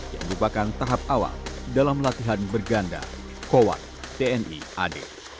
yang merupakan tahap awal dalam latihan berganda kowat tni ad